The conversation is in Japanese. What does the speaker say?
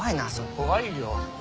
怖いよ。